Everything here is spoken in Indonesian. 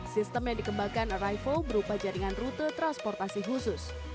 sistem yang dikembangkan arrival berupa jaringan rute transportasi khusus